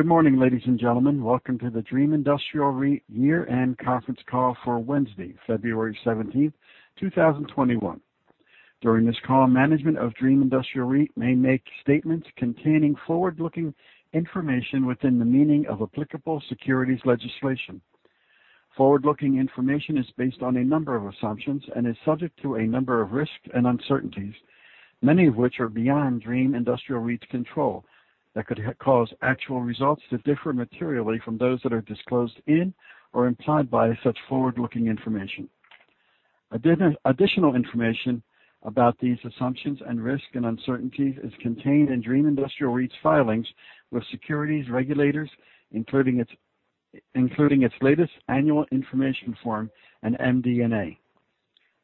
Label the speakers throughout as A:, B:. A: Good morning, ladies and gentlemen. Welcome to the Dream Industrial REIT year-end conference call for Wednesday, February 17, 2021. During this call, management of Dream Industrial REIT may make statements containing forward-looking information within the meaning of applicable securities legislation. Forward-looking information is based on a number of assumptions and is subject to a number of risks and uncertainties, many of which are beyond Dream Industrial REIT's control, that could cause actual results to differ materially from those that are disclosed in or implied by such forward-looking information. Additional information about these assumptions and risk and uncertainty is contained in Dream Industrial REIT's filings with securities regulators, including its latest annual information form and MD&A.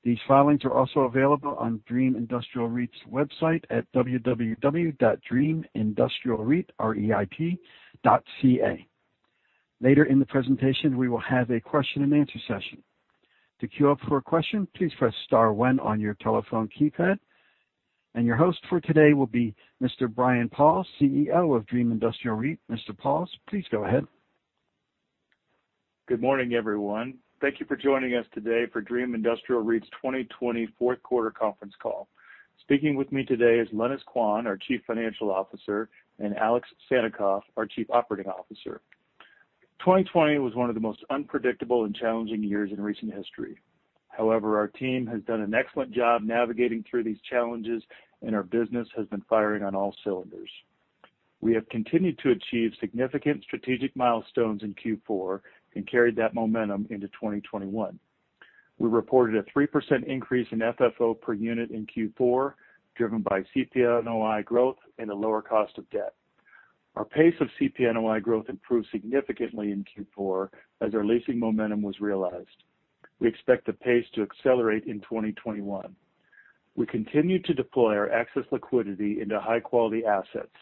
A: These filings are also available on Dream Industrial REIT's website at www.dreamindustrialreit.ca. Later in the presentation, we will have a question and answer session. Your host for today will be Mr. Brian Pauls, CEO of Dream Industrial REIT. Mr. Pauls, please go ahead.
B: Good morning, everyone. Thank you for joining us today for Dream Industrial REIT's 2020 fourth quarter conference call. Speaking with me today is Lenis Quan, our Chief Financial Officer, and Alexander Sannikov, our Chief Operating Officer. 2020 was one of the most unpredictable and challenging years in recent history. However, our team has done an excellent job navigating through these challenges, and our business has been firing on all cylinders. We have continued to achieve significant strategic milestones in Q4 and carried that momentum into 2021. We reported a 3% increase in FFO per unit in Q4, driven by CP NOI growth and a lower cost of debt. Our pace of CP NOI growth improved significantly in Q4 as our leasing momentum was realized. We expect the pace to accelerate in 2021. We continue to deploy our excess liquidity into high-quality assets.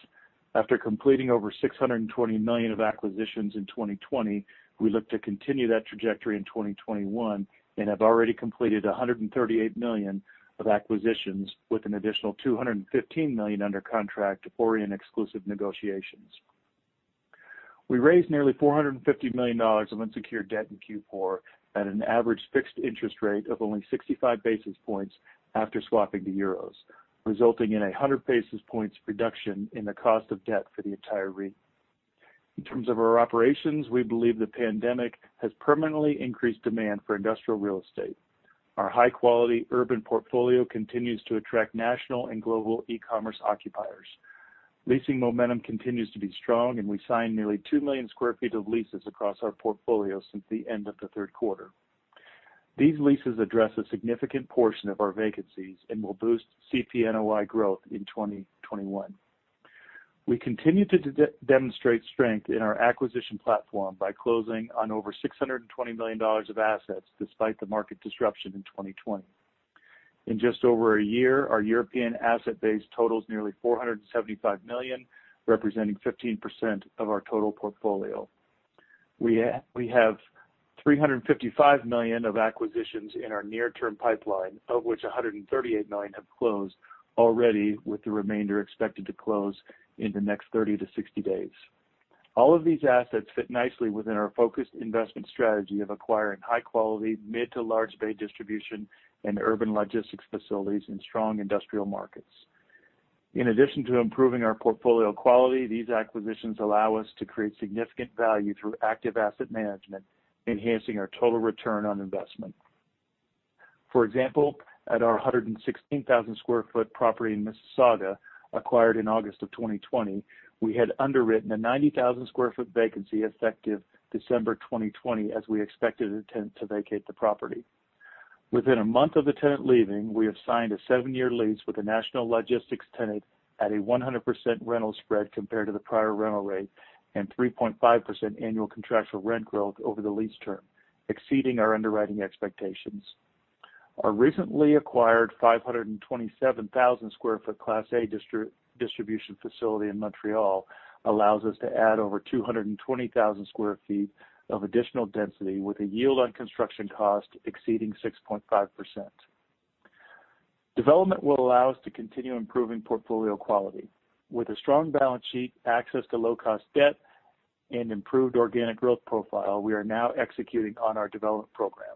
B: After completing over 620 million of acquisitions in 2020, we look to continue that trajectory in 2021 and have already completed 138 million of acquisitions, with an additional 215 million under contract or in exclusive negotiations. We raised nearly 450 million dollars of unsecured debt in Q4 at an average fixed interest rate of only 65 basis points after swapping to EUR, resulting in 100 basis points reduction in the cost of debt for the entire REIT. In terms of our operations, we believe the pandemic has permanently increased demand for industrial real estate. Our high-quality urban portfolio continues to attract national and global e-commerce occupiers. Leasing momentum continues to be strong, and we signed nearly 2 million square feet of leases across our portfolio since the end of the third quarter. These leases address a significant portion of our vacancies and will boost CP NOI growth in 2021. We continue to demonstrate strength in our acquisition platform by closing on over 620 million dollars of assets despite the market disruption in 2020. In just over a year, our European asset base totals nearly 475 million, representing 15% of our total portfolio. We have 355 million of acquisitions in our near-term pipeline, of which 138 million have closed already, with the remainder expected to close in the next 30-60 days. All of these assets fit nicely within our focused investment strategy of acquiring high-quality, mid to large bay distribution and urban logistics facilities in strong industrial markets. In addition to improving our portfolio quality, these acquisitions allow us to create significant value through active asset management, enhancing our total return on investment. For example, at our 116,000 sq ft property in Mississauga, acquired in August of 2020, we had underwritten a 90,000 sq ft vacancy effective December 2020 as we expected a tenant to vacate the property. Within a month of the tenant leaving, we have signed a seven-year lease with a national logistics tenant at a 100% rental spread compared to the prior rental rate and 3.5% annual contractual rent growth over the lease term, exceeding our underwriting expectations. Our recently acquired 527,000 sq ft Class A distribution facility in Montreal allows us to add over 220,000 sq ft of additional density with a yield on construction cost exceeding 6.5%. Development will allow us to continue improving portfolio quality. With a strong balance sheet, access to low-cost debt, and improved organic growth profile, we are now executing on our development program.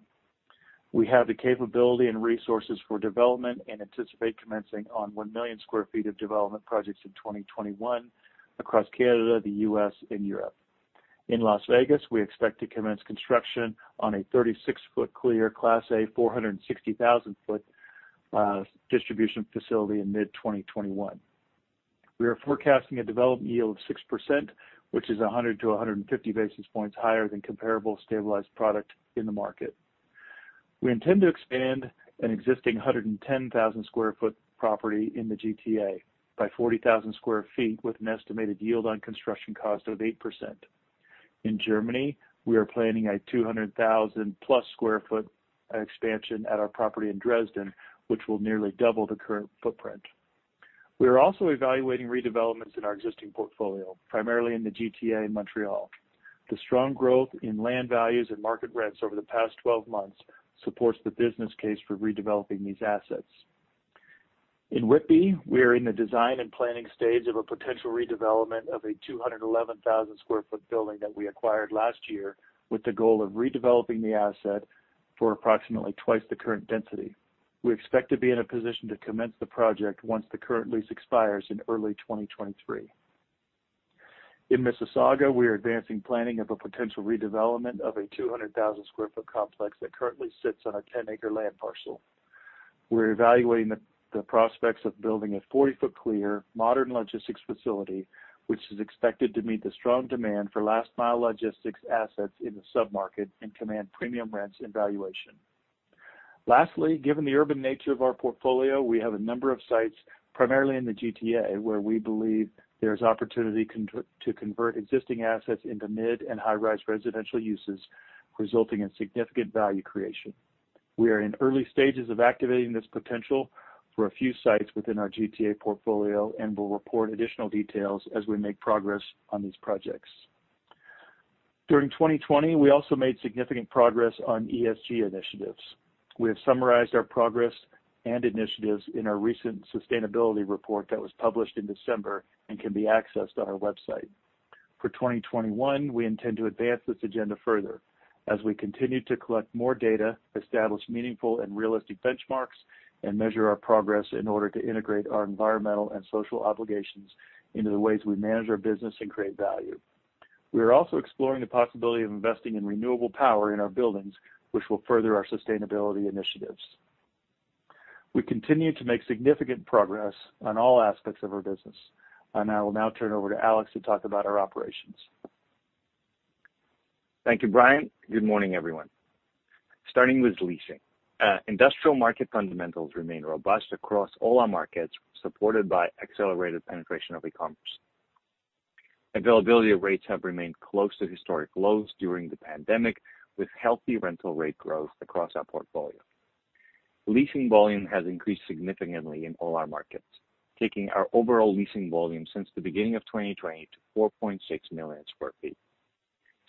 B: We have the capability and resources for development and anticipate commencing on 1 million square feet of development projects in 2021 across Canada, the U.S., and Europe. In Las Vegas, we expect to commence construction on a 36-ft clear Class A 460,000-ft distribution facility in mid-2021. We are forecasting a development yield of 6%, which is 100 to 150 basis points higher than comparable stabilized product in the market. We intend to expand an existing 110,000 sq ft property in the GTA by 40,000 sq ft with an estimated yield on construction cost of 8%. In Germany, we are planning a 200,000+ sq ft expansion at our property in Dresden, which will nearly double the current footprint. We are also evaluating redevelopments in our existing portfolio, primarily in the GTA and Montreal. The strong growth in land values and market rents over the past 12 months supports the business case for redeveloping these assets. In Whitby, we are in the design and planning stage of a potential redevelopment of a 211,000 sq ft building that we acquired last year with the goal of redeveloping the asset for approximately twice the current density. We expect to be in a position to commence the project once the current lease expires in early 2023. In Mississauga, we are advancing planning of a potential redevelopment of a 200,000 sq ft complex that currently sits on a 10-acre land parcel. We're evaluating the prospects of building a 40-ft clear, modern logistics facility, which is expected to meet the strong demand for last mile logistics assets in the sub-market and command premium rents and valuation. Lastly, given the urban nature of our portfolio, we have a number of sites, primarily in the GTA, where we believe there's opportunity to convert existing assets into mid and high-rise residential uses, resulting in significant value creation. We are in early stages of activating this potential for a few sites within our GTA portfolio and will report additional details as we make progress on these projects. During 2020, we also made significant progress on ESG initiatives. We have summarized our progress and initiatives in our recent sustainability report that was published in December and can be accessed on our website. For 2021, we intend to advance this agenda further as we continue to collect more data, establish meaningful and realistic benchmarks, and measure our progress in order to integrate our environmental and social obligations into the ways we manage our business and create value. We are also exploring the possibility of investing in renewable power in our buildings, which will further our sustainability initiatives. We continue to make significant progress on all aspects of our business, and I will now turn over to Alex to talk about our operations.
C: Thank you, Brian. Good morning, everyone. Starting with leasing. Industrial market fundamentals remain robust across all our markets, supported by accelerated penetration of e-commerce. Availability of rates have remained close to historic lows during the pandemic, with healthy rental rate growth across our portfolio. Leasing volume has increased significantly in all our markets, taking our overall leasing volume since the beginning of 2020 to 4.6 million square feet.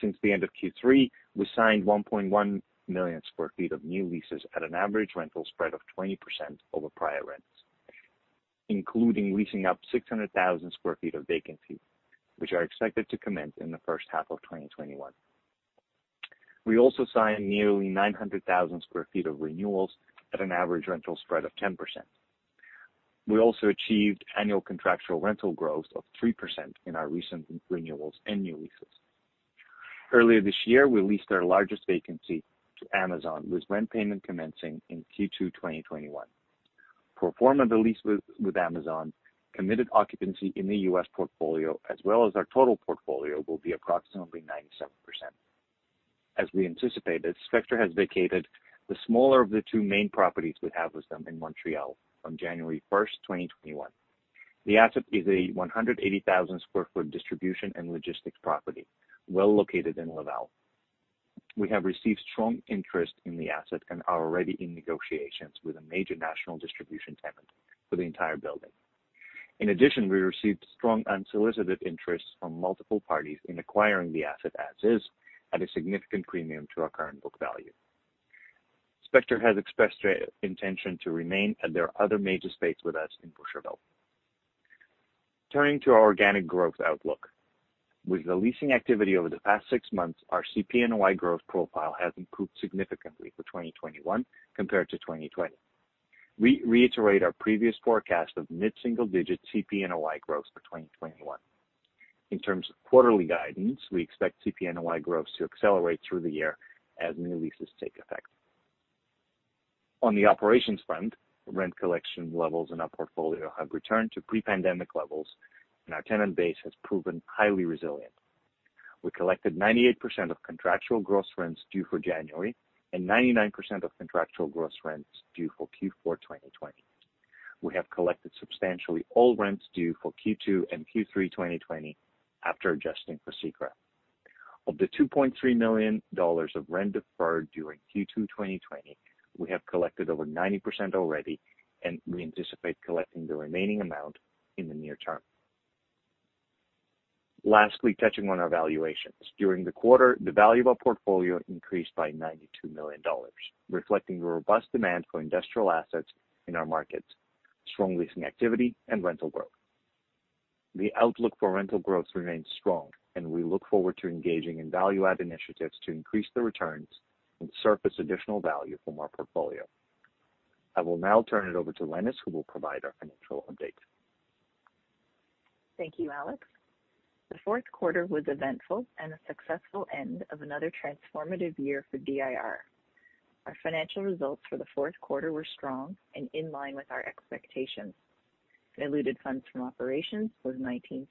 C: Since the end of Q3, we signed 1.1 million square feet of new leases at an average rental spread of 20% over prior rents, including leasing up 600,000 sq ft of vacancy, which are expected to commence in the first half of 2021. We also signed nearly 900,000 sq ft of renewals at an average rental spread of 10%. We also achieved annual contractual rental growth of 3% in our recent renewals and new leases. Earlier this year, we leased our largest vacancy to Amazon, with rent payment commencing in Q2 2021. Pro forma the lease with Amazon, committed occupancy in the U.S. portfolio as well as our total portfolio will be approximately 97%. As we anticipated, Spectra has vacated the smaller of the two main properties we have with them in Montreal on January 1st, 2021. The asset is a 180,000 sq ft distribution and logistics property, well located in Laval. We have received strong interest in the asset and are already in negotiations with a major national distribution tenant for the entire building. In addition, we received strong unsolicited interest from multiple parties in acquiring the asset as is at a significant premium to our current book value. Spectra has expressed their intention to remain at their other major space with us in Boucherville. Turning to our organic growth outlook. With the leasing activity over the past six months, our CP NOI growth profile has improved significantly for 2021 compared to 2020. We reiterate our previous forecast of mid-single digit CP NOI growth for 2021. In terms of quarterly guidance, we expect CP NOI growth to accelerate through the year as new leases take effect. On the operations front, rent collection levels in our portfolio have returned to pre-pandemic levels and our tenant base has proven highly resilient. We collected 98% of contractual gross rents due for January and 99% of contractual gross rents due for Q4 2020. We have collected substantially all rents due for Q2 and Q3 2020 after adjusting for CECRA. Of the 2.3 million dollars of rent deferred during Q2 2020, we have collected over 90% already, and we anticipate collecting the remaining amount in the near term. Lastly, touching on our valuations. During the quarter, the value of our portfolio increased by 92 million dollars, reflecting the robust demand for industrial assets in our markets, strong leasing activity, and rental growth. The outlook for rental growth remains strong, and we look forward to engaging in value add initiatives to increase the returns and surface additional value from our portfolio. I will now turn it over to Lenis, who will provide our financial update.
D: Thank you, Alex. The fourth quarter was eventful and a successful end of another transformative year for DIR. Our financial results for the fourth quarter were strong and in line with our expectations. Diluted funds from operations was 0.19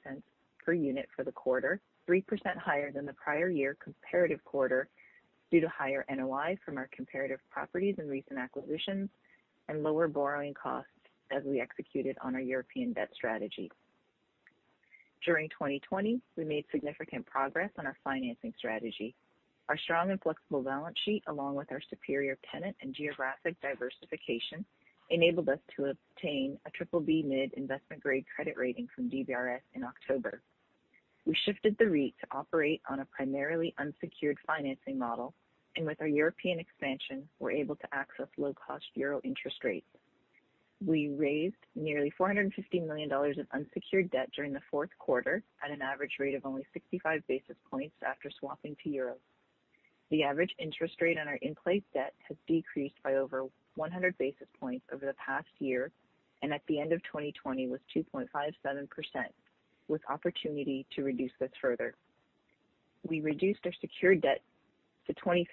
D: per unit for the quarter, 3% higher than the prior year comparative quarter due to higher NOI from our comparative properties and recent acquisitions and lower borrowing costs as we executed on our European debt strategy. During 2020, we made significant progress on our financing strategy. Our strong and flexible balance sheet, along with our superior tenant and geographic diversification, enabled us to obtain a BBB mid-investment grade credit rating from DBRS in October. We shifted the REIT to operate on a primarily unsecured financing model, and with our European expansion, we're able to access low-cost euro interest rates. We raised nearly 450 million dollars of unsecured debt during the fourth quarter at an average rate of only 65 basis points after swapping to euros. The average interest rate on our in-place debt has decreased by over 100 basis points over the past year, and at the end of 2020 was 2.57%, with opportunity to reduce this further. We reduced our secured debt to 23%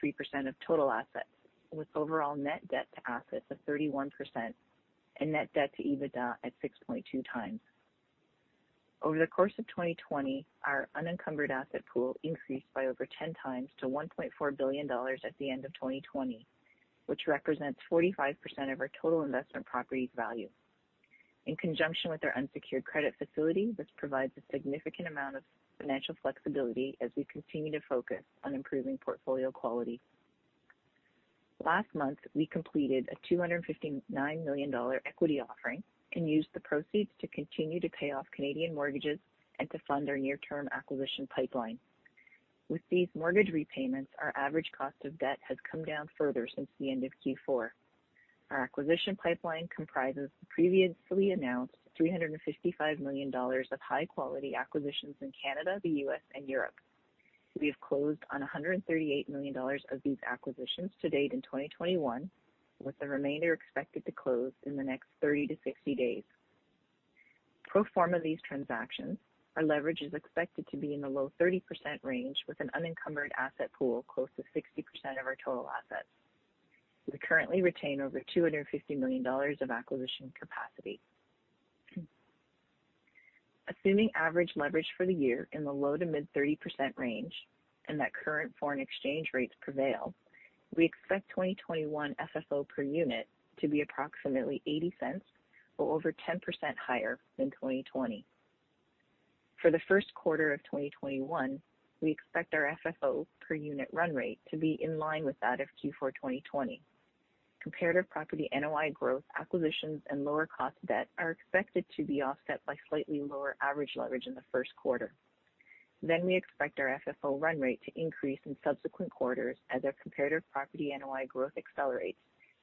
D: of total assets, with overall net debt to assets of 31% and net debt to EBITDA at 6.2x. Over the course of 2020, our unencumbered asset pool increased by over 10x to 1.4 billion dollars at the end of 2020, which represents 45% of our total investment property value. In conjunction with our unsecured credit facility, this provides a significant amount of financial flexibility as we continue to focus on improving portfolio quality. Last month, we completed a 259 million dollar equity offering and used the proceeds to continue to pay off Canadian mortgages and to fund our near-term acquisition pipeline. With these mortgage repayments, our average cost of debt has come down further since the end of Q4. Our acquisition pipeline comprises the previously announced 355 million dollars of high-quality acquisitions in Canada, the U.S., and Europe. We have closed on 138 million dollars of these acquisitions to date in 2021, with the remainder expected to close in the next 30 to 60 days. Pro forma these transactions, our leverage is expected to be in the low 30% range with an unencumbered asset pool close to 60% of our total assets. We currently retain over 250 million dollars of acquisition capacity. Assuming average leverage for the year in the low to mid-30% range and that current foreign exchange rates prevail, we expect 2021 FFO per unit to be approximately 0.80 or over 10% higher than 2020. For the first quarter of 2021, we expect our FFO per unit run rate to be in line with that of Q4 2020. Comparative property NOI growth, acquisitions, and lower cost debt are expected to be offset by slightly lower average leverage in the first quarter. We expect our FFO run rate to increase in subsequent quarters as our comparative property NOI growth accelerates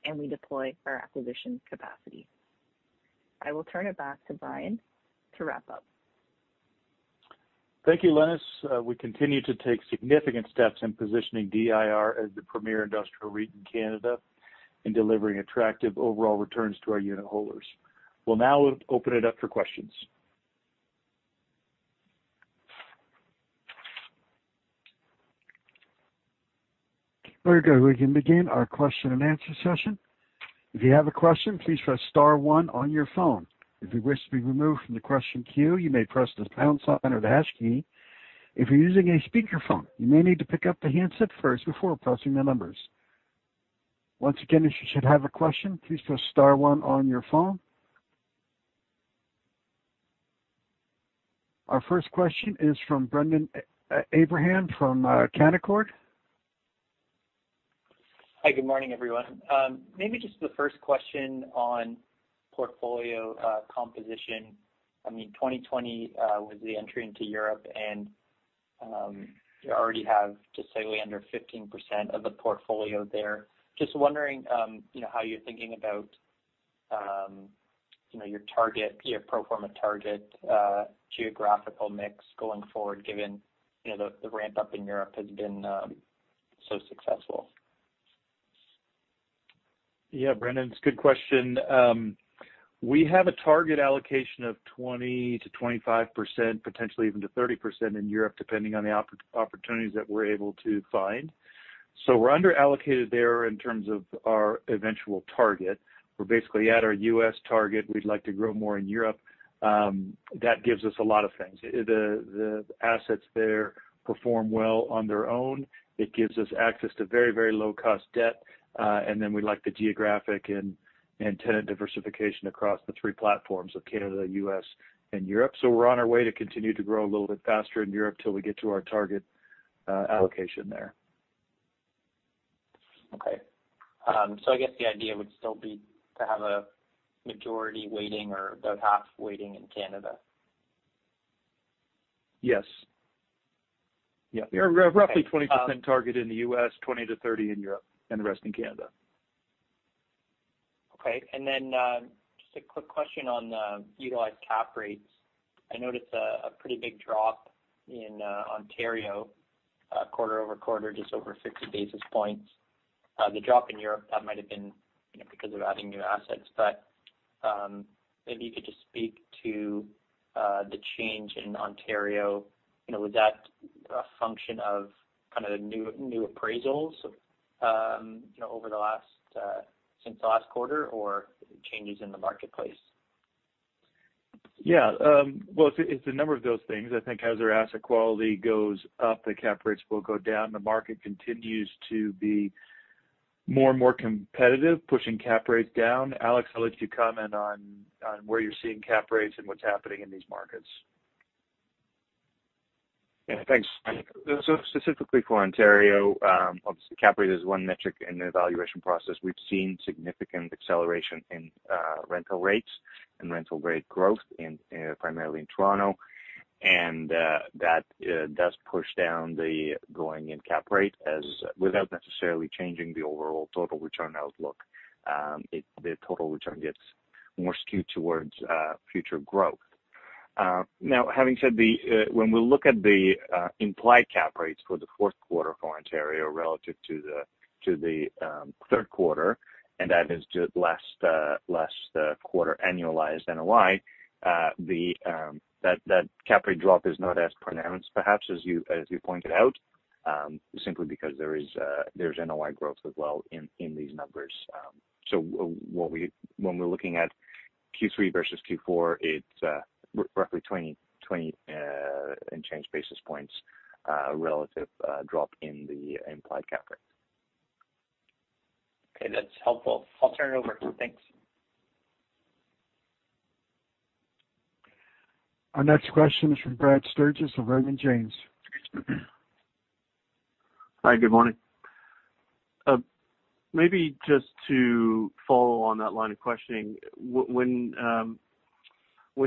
D: and we deploy our acquisition capacity. I will turn it back to Brian to wrap up.
B: Thank you, Lenis. We continue to take significant steps in positioning DIR as the premier industrial REIT in Canada in delivering attractive overall returns to our unit holders. We'll now open it up for questions.
A: Very good. We can begin our question and answer session. If you have a question, please press star one on your phone. If you wish to be removed from the question queue, you may press the pound sign or the hash key. If you're using a speakerphone, you may need to pick up the handset first before pressing the numbers. Once again, if you should have a question, please press star one on your phone. Our first question is from Brendon Abrams from Canaccord.
E: Hi, good morning, everyone. Maybe just the first question on portfolio composition. 2020 was the entry into Europe, and you already have just slightly under 15% of the portfolio there. Just wondering, how you're thinking about your pro forma target geographical mix going forward, given the ramp-up in Europe has been so successful.
B: Yeah, Brendon, it's a good question. We have a target allocation of 20%-25%, potentially even to 30% in Europe, depending on the opportunities that we're able to find. We're under-allocated there in terms of our eventual target. We're basically at our U.S. target. We'd like to grow more in Europe. That gives us a lot of things. The assets there perform well on their own. It gives us access to very low-cost debt. We like the geographic and tenant diversification across the three platforms of Canada, U.S., and Europe. We're on our way to continue to grow a little bit faster in Europe till we get to our target allocation there.
E: Okay. I guess the idea would still be to have a majority weighting or about half weighting in Canada.
B: Yes.
E: Okay.
B: Roughly 20% target in the U.S., 20%-30% in Europe, and the rest in Canada.
E: Okay. Just a quick question on the utilized cap rates. I noticed a pretty big drop in Ontario quarter-over-quarter, just over 50 basis points. The drop in Europe, that might have been because of adding new assets, but maybe you could just speak to the change in Ontario. Was that a function of kind of new appraisals since the last quarter or changes in the marketplace?
B: Yeah. Well, it's a number of those things. I think as our asset quality goes up, the cap rates will go down. The market continues to be more and more competitive, pushing cap rates down. Alex, I'll let you comment on where you're seeing cap rates and what's happening in these markets.
C: Yeah, thanks. Specifically for Ontario, obviously cap rate is one metric in the evaluation process. We've seen significant acceleration in rental rates and rental rate growth primarily in Toronto, and that does push down the going-in cap rate without necessarily changing the overall total return outlook. The total return gets more skewed towards future growth. Now, having said when we look at the implied cap rates for the fourth quarter for Ontario relative to the third quarter, and that is just last quarter annualized NOI, that cap rate drop is not as pronounced, perhaps, as you pointed out, simply because there's NOI growth as well in these numbers. When we're looking at Q3 versus Q4, it's roughly 20 and change basis points relative drop in the implied cap rates.
E: Okay, that's helpful. I'll turn it over. Thanks.
A: Our next question is from Brad Sturges of Raymond James.
F: Hi, good morning. Just to follow on that line of questioning. When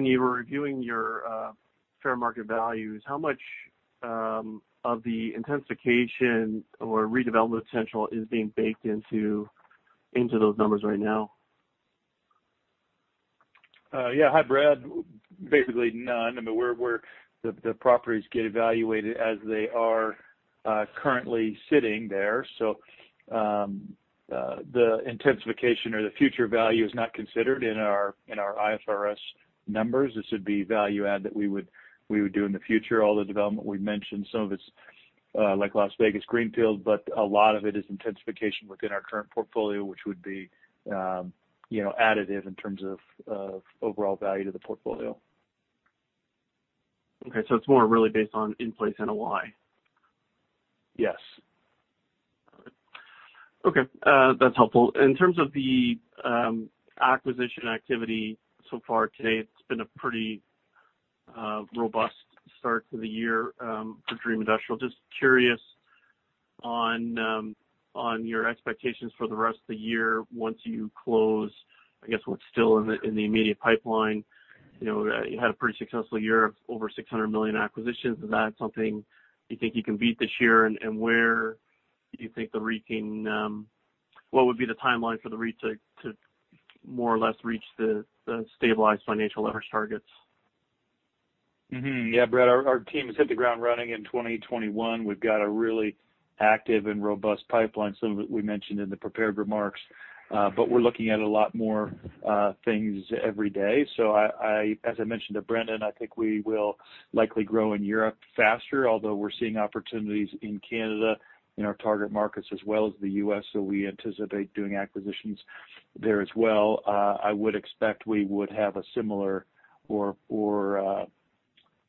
F: you were reviewing your fair market values, how much of the intensification or redevelopment potential is being baked into those numbers right now?
B: Yeah. Hi, Brad. Basically none. I mean, the properties get evaluated as they are currently sitting there. The intensification or the future value is not considered in our IFRS numbers. This would be value add that we would do in the future. All the development we've mentioned, some of it's like Las Vegas greenfield, but a lot of it is intensification within our current portfolio, which would be additive in terms of overall value to the portfolio.
F: Okay. It's more really based on in-place NOI.
B: Yes.
F: All right. Okay, that's helpful. In terms of the acquisition activity so far to date, it's been a pretty robust start to the year for Dream Industrial. Just curious on your expectations for the rest of the year once you close, I guess, what's still in the immediate pipeline. You had a pretty successful year of over 600 million acquisitions. Is that something you think you can beat this year? Where do you think the REIT, what would be the timeline for the REIT to more or less reach the stabilized financial leverage targets?
B: Mm-hmm. Yeah, Brad, our team has hit the ground running in 2021. We've got a really active and robust pipeline, some of it we mentioned in the prepared remarks. We're looking at a lot more things every day. As I mentioned to Brendon, I think we will likely grow in Europe faster, although we're seeing opportunities in Canada, in our target markets as well as the U.S. We anticipate doing acquisitions there as well. I would expect we would have a similar or more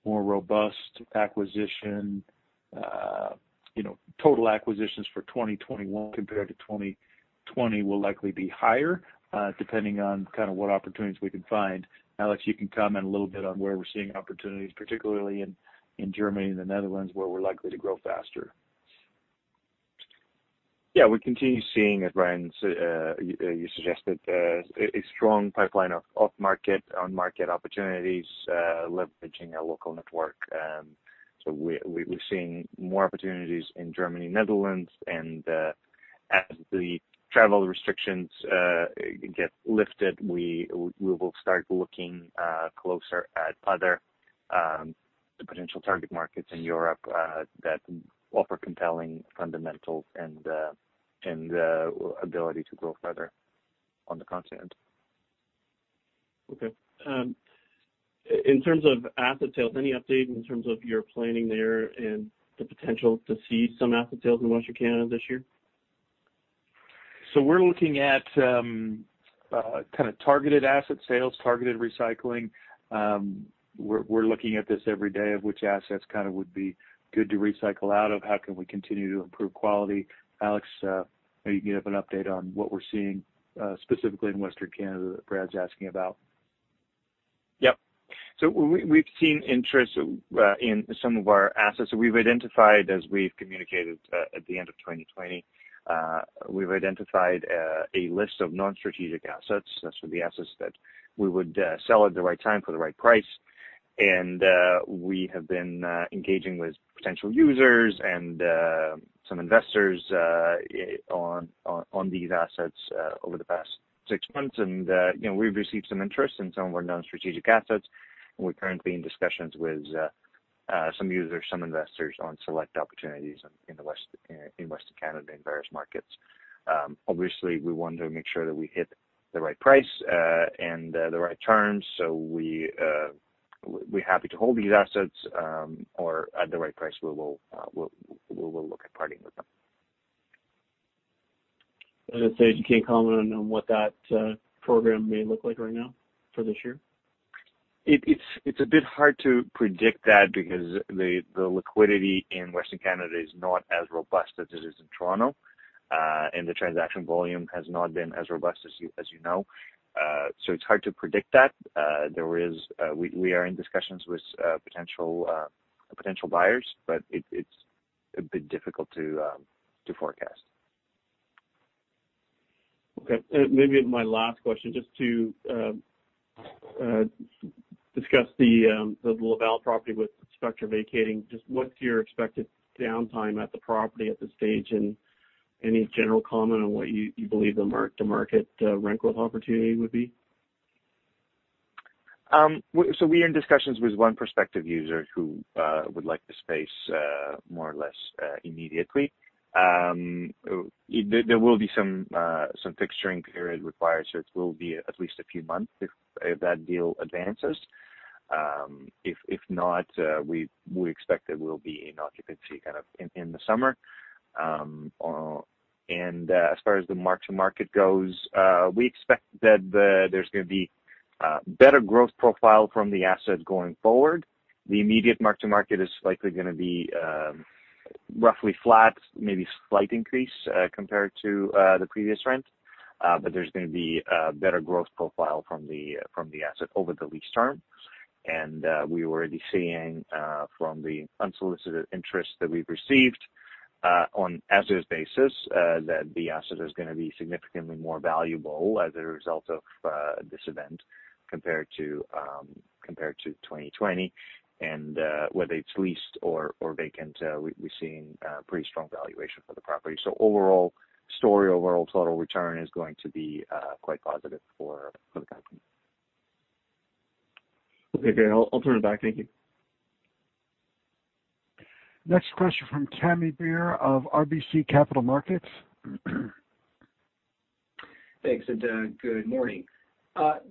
B: robust acquisition. Total acquisitions for 2021 compared to 2020 will likely be higher, depending on kind of what opportunities we can find. Alex, you can comment a little bit on where we're seeing opportunities, particularly in Germany and the Netherlands, where we're likely to grow faster.
C: Yeah. We continue seeing, as Brad, you suggested, a strong pipeline of off-market, on-market opportunities leveraging our local network. We're seeing more opportunities in Germany, Netherlands, and as the travel restrictions get lifted, we will start looking closer at other potential target markets in Europe that offer compelling fundamentals and ability to grow further on the continent.
F: Okay. In terms of asset sales, any update in terms of your planning there and the potential to see some asset sales in Western Canada this year?
B: We're looking at kind of targeted asset sales, targeted recycling. We're looking at this every day, of which assets kind of would be good to recycle out of. How can we continue to improve quality? Alex, maybe you can give an update on what we're seeing, specifically in Western Canada that Brad's asking about.
C: Yep. We've seen interest in some of our assets that we've identified as we've communicated at the end of 2020. We've identified a list of non-strategic assets. That's for the assets that we would sell at the right time for the right price. We have been engaging with potential users and some investors on these assets over the past six months. We've received some interest in some of our non-strategic assets, and we're currently in discussions with some users, some investors on select opportunities in Western Canada, in various markets. Obviously, we want to make sure that we hit the right price and the right terms. We're happy to hold these assets, or at the right price, we will look at parting with them.
F: I say, you can't comment on what that program may look like right now for this year?
C: It's a bit hard to predict that because the liquidity in Western Canada is not as robust as it is in Toronto. The transaction volume has not been as robust as you know. It's hard to predict that. We are in discussions with potential buyers, but it's a bit difficult to forecast.
F: Okay. Maybe my last question, just to discuss the Laval property with Spectra vacating. Just what's your expected downtime at the property at this stage, and any general comment on what you believe the mark-to-market rent growth opportunity would be?
C: We're in discussions with one prospective user who would like the space, more or less immediately. There will be some fixturing period required, so it will be at least a few months if that deal advances. If not, we expect that we'll be in occupancy kind of in the summer. As far as the mark-to-market goes, we expect that there's going to be better growth profile from the asset going forward. The immediate mark-to-market is likely going to be roughly flat, maybe slight increase, compared to the previous rent. There's going to be a better growth profile from the asset over the lease term. We're already seeing from the unsolicited interest that we've received, on as-is basis, that the asset is going to be significantly more valuable as a result of this event compared to 2020. Whether it's leased or vacant, we're seeing pretty strong valuation for the property. Overall story, overall total return is going to be quite positive for the company.
F: Okay. I'll turn it back. Thank you.
A: Next question from Pammi Bir of RBC Capital Markets.
G: Thanks, and good morning.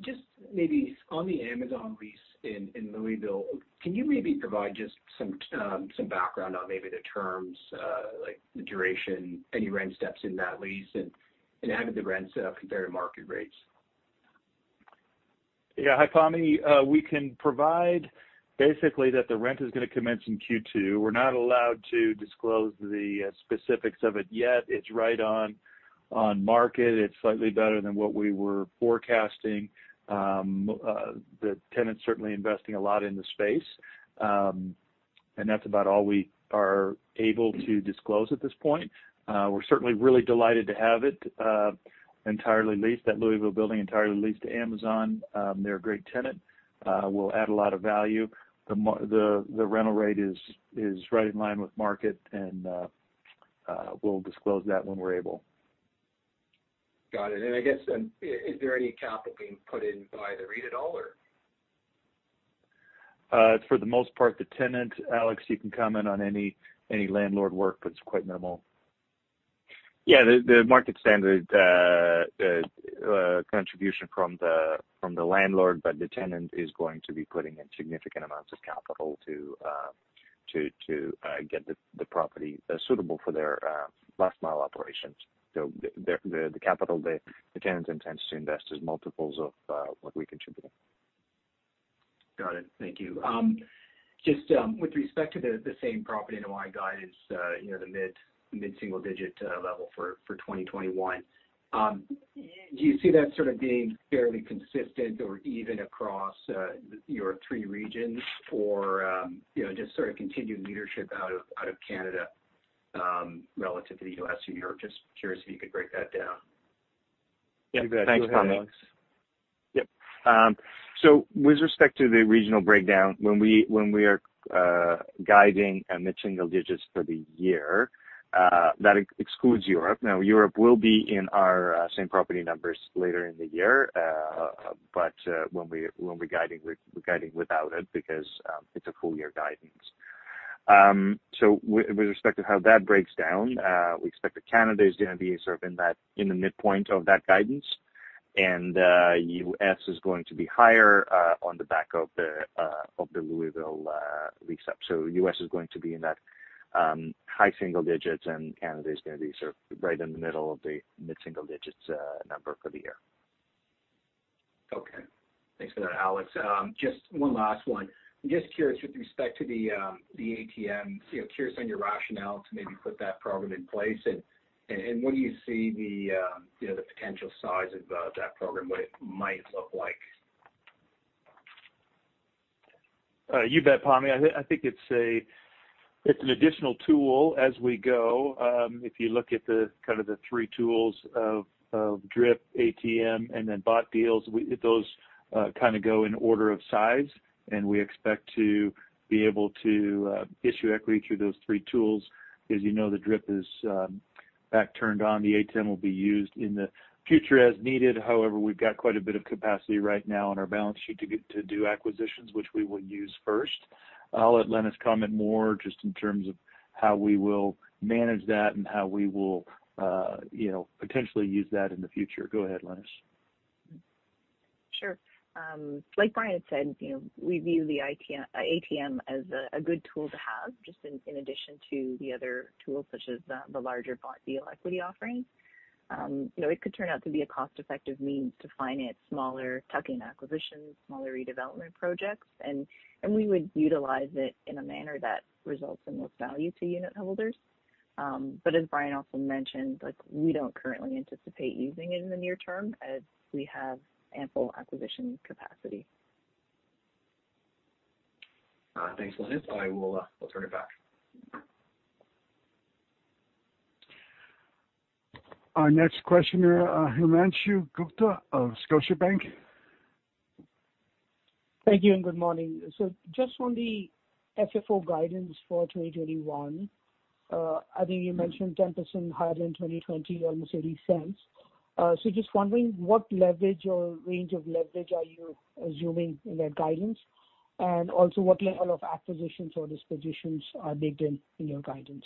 G: Just maybe on the Amazon lease in Louisville, can you maybe provide just some background on maybe the terms, like the duration, any rent steps in that lease, and how did the rent set up compare to market rates?
B: Yeah. Hi, Pammi. We can provide basically that the rent is going to commence in Q2. We're not allowed to disclose the specifics of it yet. It's right on market. It's slightly better than what we were forecasting. The tenant's certainly investing a lot in the space. That's about all we are able to disclose at this point. We're certainly really delighted to have it entirely leased, that Louisville building entirely leased to Amazon. They're a great tenant. Will add a lot of value. The rental rate is right in line with market, and we'll disclose that when we're able.
G: Got it. I guess, is there any capital being put in by the REIT at all, or?
B: For the most part, the tenant. Alex, you can comment on any landlord work, but it’s quite minimal.
C: Yeah. The market standard contribution from the landlord, but the tenant is going to be putting in significant amounts of capital to get the property suitable for their last mile operations. The capital the tenant intends to invest is multiples of what we contribute.
G: Got it. Thank you. Just with respect to the same property NOI guidance, the mid-single digit level for 2021. Do you see that sort of being fairly consistent or even across your three regions for just sort of continued leadership out of Canada relative to the U.S. and Europe? Just curious if you could break that down.
B: You bet. Go ahead, Alex.
C: Thanks, Pammi. Yep. With respect to the regional breakdown, when we are guiding mid-single digits for the year, that excludes Europe. Now, Europe will be in our same property numbers later in the year. When we're guiding, we're guiding without it because it's a full year guidance. With respect to how that breaks down, we expect that Canada is going to be sort of in the midpoint of that guidance, and U.S. is going to be higher on the back of the Louisville lease-up. U.S. is going to be in that high single digits, and Canada is going to be sort of right in the middle of the mid-single digits number for the year.
G: Okay. Thanks for that, Alex. Just one last one. I'm just curious with respect to the ATM, curious on your rationale to maybe put that program in place, and when do you see the potential size of that program, what it might look like?
B: You bet, Pammi. I think it's an additional tool as we go. If you look at the kind of the three tools of DRIP, ATM, and then bought deals, those kind of go in order of size, and we expect to be able to issue equity through those three tools. As you know, the DRIP is back turned on. The ATM will be used in the future as needed. However, we've got quite a bit of capacity right now on our balance sheet to do acquisitions, which we will use first. I'll let Lenis comment more just in terms of how we will manage that and how we will potentially use that in the future. Go ahead, Lenis.
D: Sure. Like Brian said, we view the ATM as a good tool to have, just in addition to the other tools such as the larger bought deal equity offerings. It could turn out to be a cost-effective means to finance smaller tuck-in acquisitions, smaller redevelopment projects, and we would utilize it in a manner that results in most value to unitholders. As Brian also mentioned, we don't currently anticipate using it in the near term as we have ample acquisition capacity.
G: Thanks, Lenis. I will turn it back.
A: Our next question, Himanshu Gupta of Scotiabank.
H: Thank you. Good morning. Just on the FFO guidance for 2021, I think you mentioned 10% higher than 2020 or CAD 0.30. Just wondering what leverage or range of leverage are you assuming in that guidance? Also what level of acquisitions or dispositions are baked in in your guidance?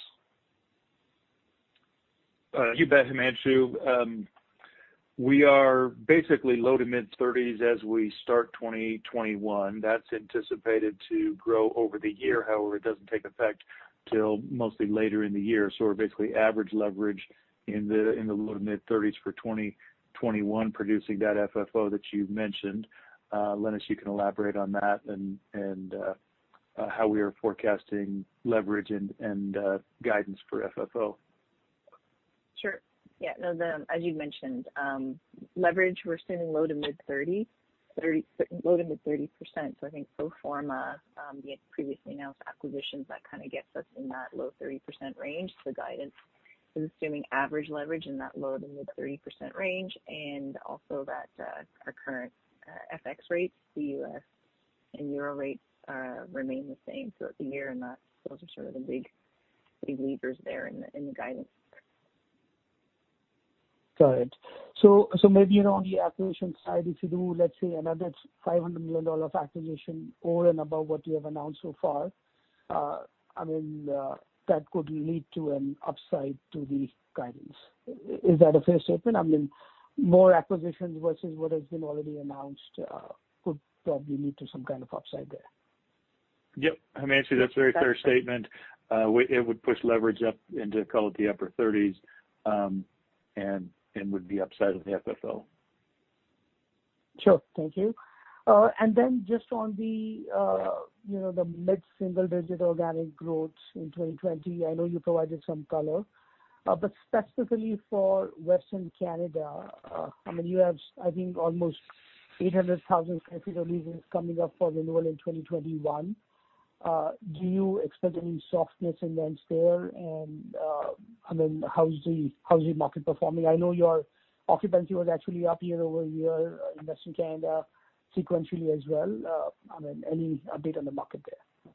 B: You bet, Himanshu. We are basically low to mid-30s as we start 2021. That's anticipated to grow over the year. It doesn't take effect till mostly later in the year. We're basically average leverage in the low to mid-30s for 2021, producing that FFO that you've mentioned. Lenis, you can elaborate on that and how we are forecasting leverage and guidance for FFO.
D: Sure. Yeah. No, as you mentioned, leverage, we're assuming low to mid-30s. Low to mid-30%. I think pro forma the previously announced acquisitions, that kind of gets us in that low 30% range. Guidance is assuming average leverage in that low to mid-30% range, and also that our current FX rates, the U.S. and euro rates, remain the same throughout the year, and those are sort of the big levers there in the guidance.
H: Got it. Maybe on the acquisition side, if you do, let's say, another 500 million dollar of acquisition over and above what you have announced so far, that could lead to an upside to the guidance. Is that a fair statement? More acquisitions versus what has been already announced could probably lead to some kind of upside there.
B: Yep. Himanshu, that's a very fair statement. It would push leverage up into, call it, the upper 30s, and would be upside of the FFO.
H: Sure. Thank you. Just on the mid-single-digit organic growth in 2020, I know you provided some color, specifically for Western Canada, you have, I think, almost 800,000 sq ft of leases coming up for renewal in 2021. Do you expect any softness in rents there, how's the market performing? I know your occupancy was actually up year-over-year in Western Canada, sequentially as well. Any update on the market there?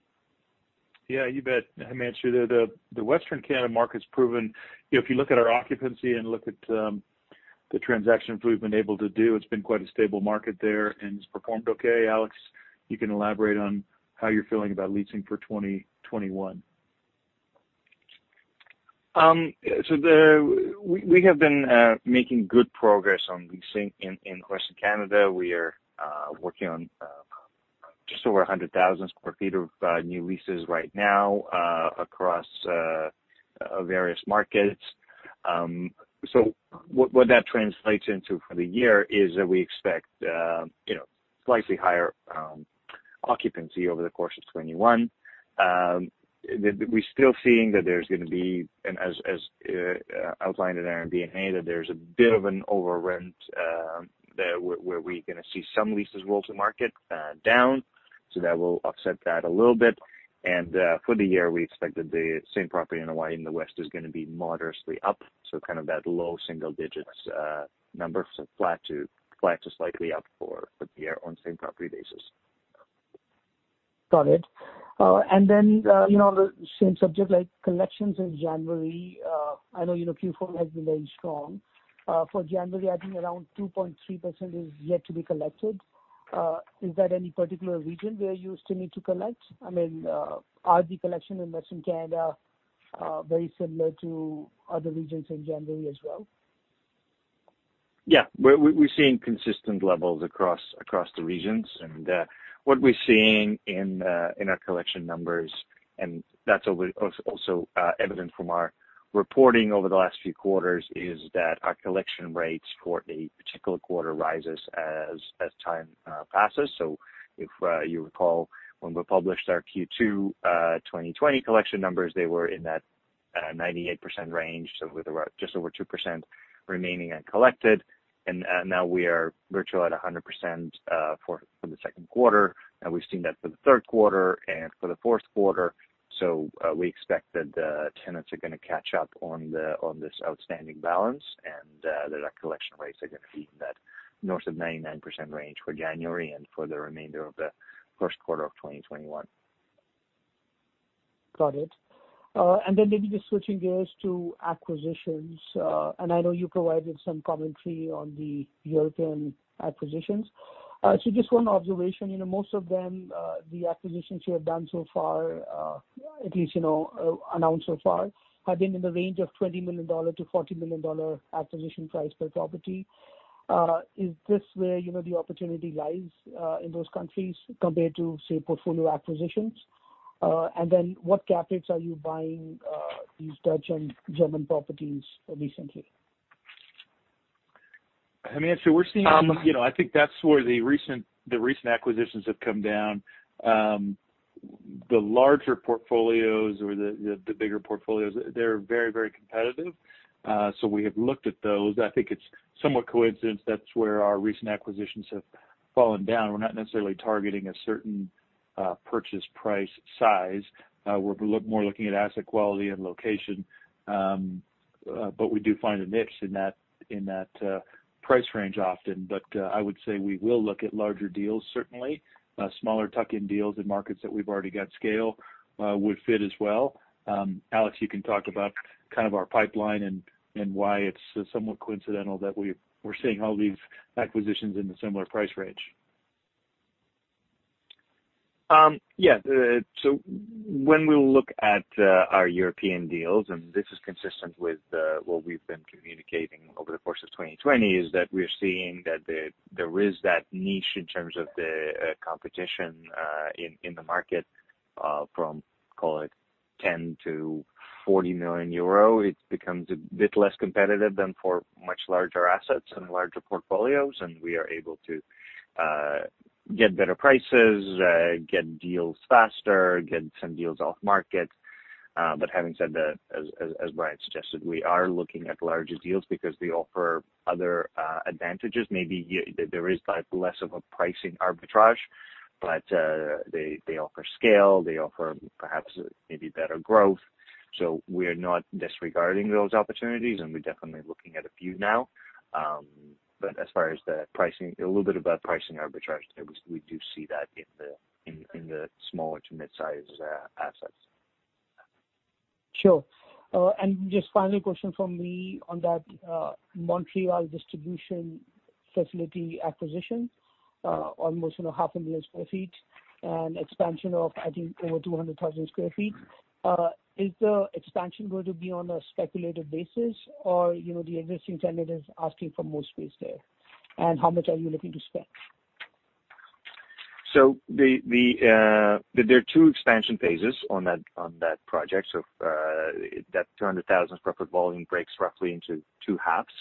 B: Yeah, you bet, Himanshu. The Western Canada market's proven, if you look at our occupancy and look at the transactions we've been able to do, it's been quite a stable market there, and it's performed okay. Alex, you can elaborate on how you're feeling about leasing for 2021.
C: We have been making good progress on leasing in Western Canada. We are working on just over 100,000 sq ft of new leases right now across various markets. What that translates into for the year is that we expect slightly higher occupancy over the course of 2021. We're still seeing that there's going to be, as outlined in our MD&A, that there's a bit of an over rent where we're going to see some leases roll to market down. That will offset that a little bit. For the year, we expect that the same property NOI and the West is going to be moderately up, kind of that low single digits number, flat to slightly up for the year on same property basis.
H: Got it. On the same subject, like collections in January, I know Q4 has been very strong. For January, I think around 2.3% is yet to be collected. Is there any particular region where you still need to collect? Are the collections in Western Canada very similar to other regions in January as well?
C: Yeah. We're seeing consistent levels across the regions, and what we're seeing in our collection numbers, and that's also evident from our reporting over the last few quarters, is that our collection rates for a particular quarter rises as time passes. If you recall, when we published our Q2 2020 collection numbers, they were in that 98% range, so just over 2% remaining uncollected. Now we are virtual at 100% for the second quarter, and we've seen that for the third quarter and for the fourth quarter. We expect that tenants are going to catch up on this outstanding balance and that our collection rates are going to be in that north of 99% range for January and for the remainder of the first quarter of 2021.
H: Got it. Then maybe just switching gears to acquisitions. I know you provided some commentary on the European acquisitions. Just one observation. Most of them, the acquisitions you have done so far, at least announced so far, have been in the range of 20 million-40 million dollar acquisition price per property. Is this where the opportunity lies in those countries compared to, say, portfolio acquisitions? Then what cap rates are you buying these Dutch and German properties recently?
B: I mean. I think that's where the recent acquisitions have come down. The larger portfolios or the bigger portfolios, they're very competitive. We have looked at those. I think it's somewhat coincidence that's where our recent acquisitions have fallen down. We're not necessarily targeting a certain purchase price size. We're more looking at asset quality and location. We do find a niche in that price range often. I would say we will look at larger deals, certainly. Smaller tuck-in deals in markets that we've already got scale would fit as well. Alex, you can talk about our pipeline and why it's somewhat coincidental that we're seeing all these acquisitions in the similar price range.
C: Yeah. When we look at our European deals, and this is consistent with what we've been communicating over the course of 2020, is that we're seeing that there is that niche in terms of the competition in the market from, call it, 10 million-40 million euro. It becomes a bit less competitive than for much larger assets and larger portfolios. We are able to get better prices, get deals faster, get some deals off-market. Having said that, as Brian suggested, we are looking at larger deals because they offer other advantages. Maybe there is less of a pricing arbitrage, but they offer scale, they offer perhaps maybe better growth. We're not disregarding those opportunities, and we're definitely looking at a few now. As far as the pricing, a little bit about pricing arbitrage there, we do see that in the smaller to mid-size assets.
H: Sure. Just final question from me on that Montreal distribution facility acquisition. Almost 500,000 sq ft, an expansion of, I think, over 200,000 sq ft. Is the expansion going to be on a speculative basis, or the existing tenant is asking for more space there? How much are you looking to spend?
C: There are two expansion phases on that project. That 200,000 sq ft volume breaks roughly into two halves.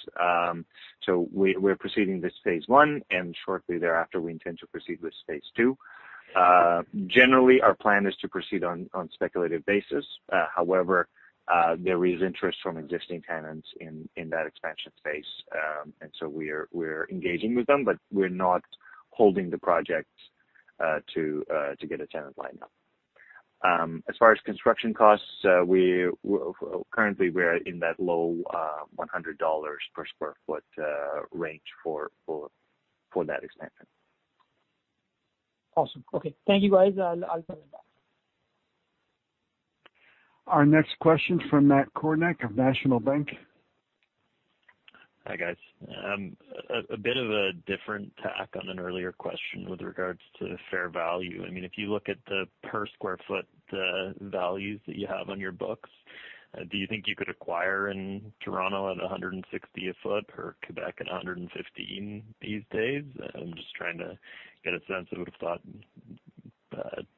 C: We're proceeding with phase 1, and shortly thereafter, we intend to proceed with phase 2. Generally, our plan is to proceed on a speculative basis. However, there is interest from existing tenants in that expansion phase, and so we're engaging with them, but we're not holding the project to get a tenant lined up. As far as construction costs, currently we're in that low 100 dollars per sq ft range for that expansion.
H: Awesome. Okay. Thank you, guys. I'll come back.
A: Our next question is from Matt Kornack of National Bank.
I: Hi, guys. A bit of a different tack on an earlier question with regards to fair value. I mean, if you look at the per square foot values that you have on your books, do you think you could acquire in Toronto at 160 a sq ft per Quebec and 115 these days? I'm just trying to get a sense. I would've thought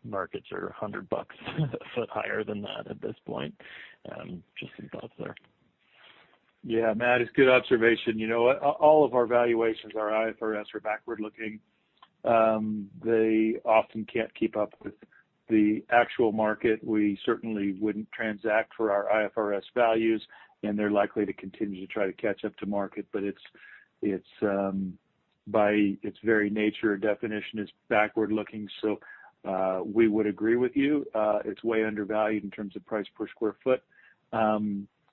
I: markets are 100 bucks a sq ft higher than that at this point. Just some thoughts there.
B: Matt, it's a good observation. All of our valuations, our IFRS are backward-looking. They often can't keep up with the actual market. We certainly wouldn't transact for our IFRS values, and they're likely to continue to try to catch up to market. By its very nature or definition, it's backward-looking. We would agree with you. It's way undervalued in terms of price per square foot.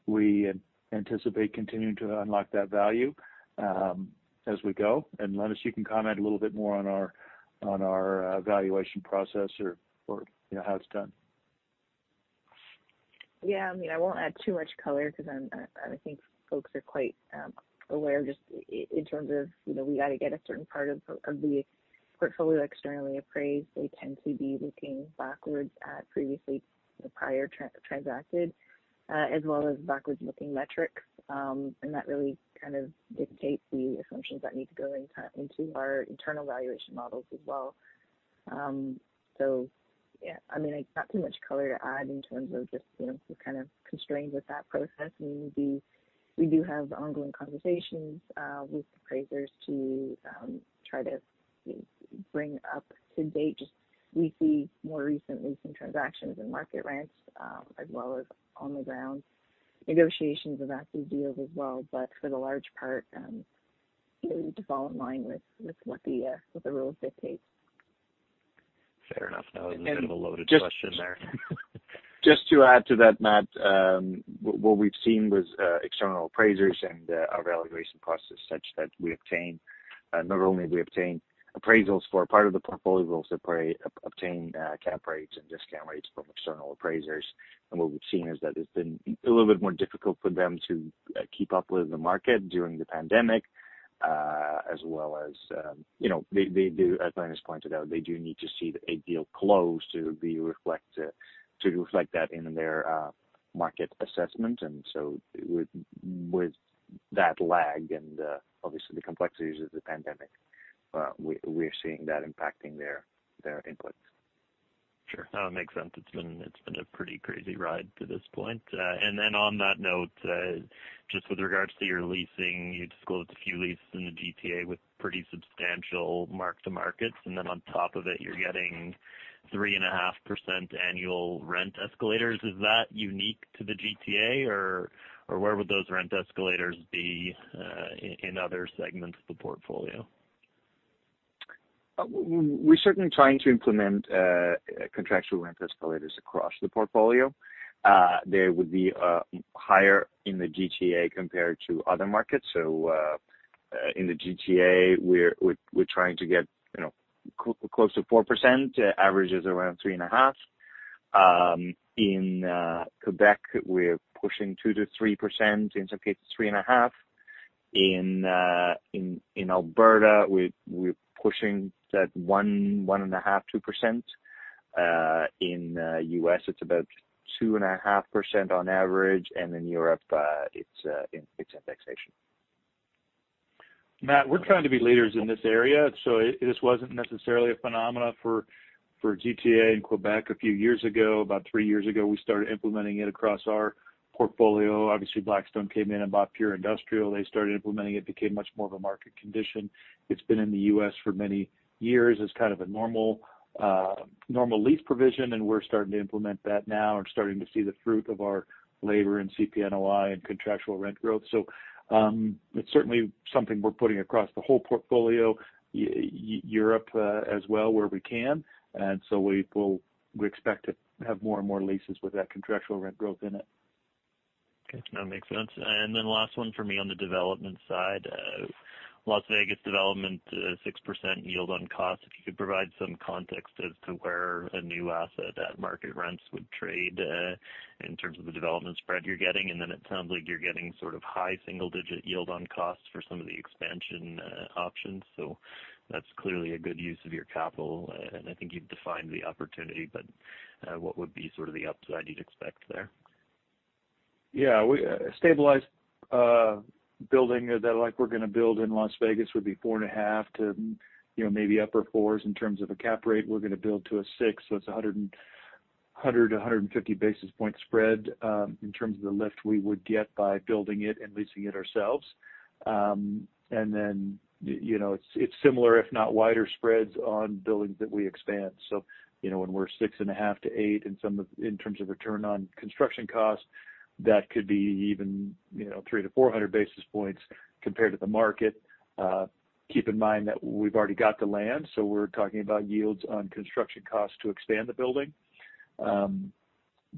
B: We anticipate continuing to unlock that value as we go. Lenis, you can comment a little bit more on our valuation process or how it's done.
D: Yeah. I mean, I won't add too much color because I think folks are quite aware just in terms of we got to get a certain part of the portfolio externally appraised. They tend to be looking backwards at previously the prior transacted, as well as backwards-looking metrics. That really kind of dictates the assumptions that need to go into our internal valuation models as well. Yeah, I mean, not too much color to add in terms of just kind of constraints with that process. I mean, we do have ongoing conversations with appraisers to try to bring up to date just we see more recently some transactions in market rents as well as on the ground negotiations of active deals as well. For the large part we need to fall in line with what the rules dictate.
I: Fair enough. That was a bit of a loaded question there.
C: Just to add to that, Matt, what we've seen with external appraisers and our valuation process such that not only we obtain appraisals for a part of the portfolio, we also obtain cap rates and discount rates from external appraisers. What we've seen is that it's been a little bit more difficult for them to keep up with the market during the pandemic, as well as they do, as Lenis pointed out, they do need to see a deal close to reflect that in their market assessment. With that lag and obviously the complexities of the pandemic, we're seeing that impacting their inputs.
I: Sure. No, it makes sense. It's been a pretty crazy ride to this point. On that note, just with regards to your leasing, you disclosed a few leases in the GTA with pretty substantial mark-to-markets, and then on top of it, you're getting 3.5% annual rent escalators. Is that unique to the GTA, or where would those rent escalators be in other segments of the portfolio?
C: We're certainly trying to implement contractual rent escalators across the portfolio. They would be higher in the GTA compared to other markets. In the GTA, we're trying to get close to 4%. The average is around 3.5%. In Quebec, we're pushing 2%-3%, in some cases 3.5%. In Alberta, we're pushing that 1%, 1.5%, 2%. In the U.S., it's about 2.5% on average. In Europe, it's indexation.
B: Matt, we're trying to be leaders in this area. This wasn't necessarily a phenomena for GTA and Quebec a few years ago. About three years ago, we started implementing it across our portfolio. Obviously, Blackstone came in and bought Pure Industrial. They started implementing it, became much more of a market condition. It's been in the U.S. for many years as kind of a normal lease provision, and we're starting to implement that now and starting to see the fruit of our labor in CP NOI and contractual rent growth. It's certainly something we're putting across the whole portfolio. Europe as well, where we can. We expect to have more and more leases with that contractual rent growth in it.
I: Okay, that makes sense. Last one for me on the development side. Las Vegas development, 6% yield on cost. If you could provide some context as to where a new asset at market rents would trade in terms of the development spread you're getting, and then it sounds like you're getting sort of high single-digit yield on costs for some of the expansion options. That's clearly a good use of your capital, and I think you've defined the opportunity, but what would be sort of the upside you'd expect there?
B: Yeah. A stabilized building that we're going to build in Las Vegas would be 4.5% to maybe upper fours in terms of a cap rate. We're going to build to a six, so it's 100 to 150 basis point spread in terms of the lift we would get by building it and leasing it ourselves. It's similar, if not wider spreads on buildings that we expand. When we're 6.5% to 8% in terms of return on construction costs, that could be even 300 to 400 basis points compared to the market. Keep in mind that we've already got the land, so we're talking about yields on construction costs to expand the building.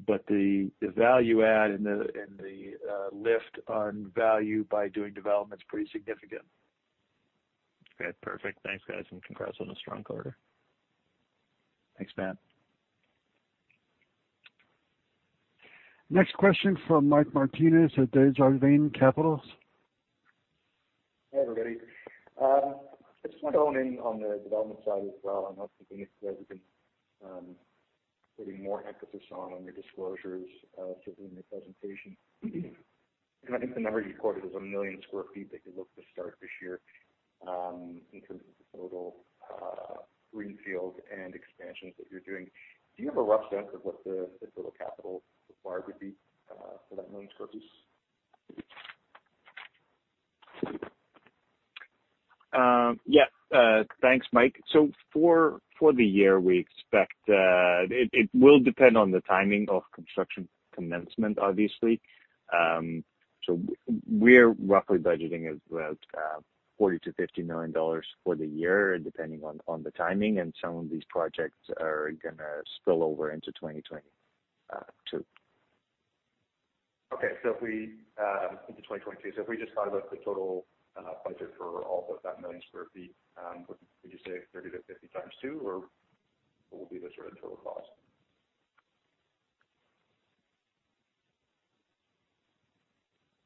B: The value add and the lift on value by doing development's pretty significant.
I: Okay, perfect. Thanks, guys, and congrats on a strong quarter.
B: Thanks, Matt.
A: Next question from Michael Markidis at Desjardins Securities.
J: Hi, everybody. I just want to hone in on the development side as well. I know it's something that you guys have been putting more emphasis on in your disclosures, certainly in the presentation. I think the number you quoted was 1 million square feet that you look to start this year, in terms of the total greenfield and expansions that you're doing. Do you have a rough sense of what the total capital required would be for that 1 million square feet?
C: Yeah. Thanks, Mike. For the year, we expect it will depend on the timing of construction commencement, obviously. We're roughly budgeting about 40 million-50 million dollars for the year, depending on the timing, and some of these projects are going to spill over into 2022.
J: Okay. If we into 2022. If we just thought about the total budget for all of that million square feet, would you say 30 to 50 times two, or what will be the sort of total cost?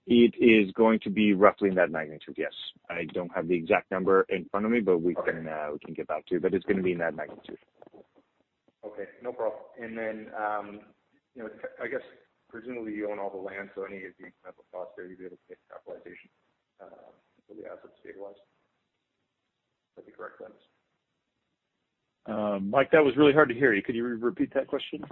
C: It is going to be roughly in that magnitude, yes. I don't have the exact number in front of me, but we can-
J: Okay
C: get back to you. It's going to be in that magnitude.
J: Okay, no problem. I guess presumably you own all the land, so any of the incremental costs there you'd be able to get capitalization until the asset's stabilized?
B: Mike, that was really hard to hear you. Could you repeat that question?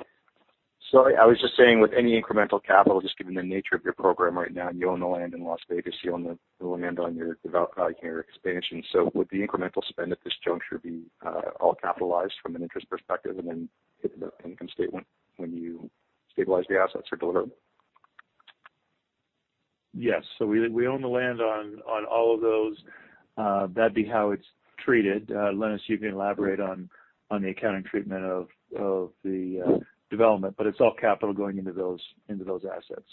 J: Sorry, I was just saying with any incremental capital, just given the nature of your program right now, and you own the land in Las Vegas, you own the land on your expansion. Would the incremental spend at this juncture be all capitalized from an interest perspective and then hit the income statement when you stabilize the assets or deliver them?
B: Yes. We own the land on all of those. That'd be how it's treated. Lenis, you can elaborate on the accounting treatment of the development, but it's all capital going into those assets.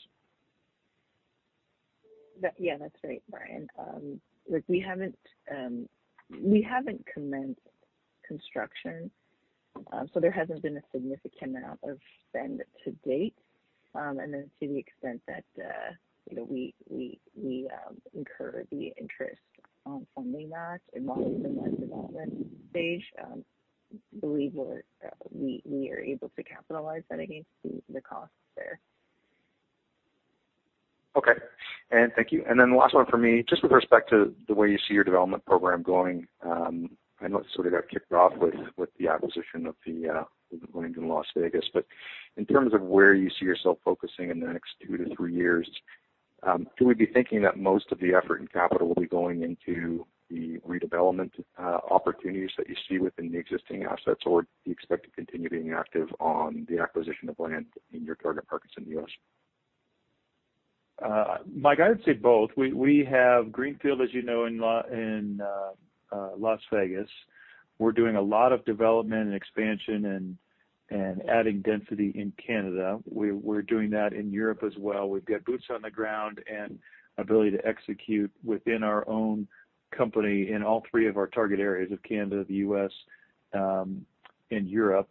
D: Yeah, that's right, Brian. We haven't commenced construction, so there hasn't been a significant amount of spend to date. To the extent that we incur the interest on funding that and while it's in that development stage, I believe we are able to capitalize that against the costs there.
J: Okay. Thank you. The last one for me, just with respect to the way you see your development program going, I know it sort of got kicked off with the acquisition of the one in Las Vegas. In terms of where you see yourself focusing in the next two to three years, should we be thinking that most of the effort and capital will be going into the redevelopment opportunities that you see within the existing assets? Do you expect to continue being active on the acquisition of land in your target markets in the U.S.?
B: Mike, I would say both. We have greenfield, as you know, in Las Vegas. We're doing a lot of development and expansion and adding density in Canada. We're doing that in Europe as well. We've got boots on the ground and ability to execute within our own company in all three of our target areas of Canada, the U.S., and Europe.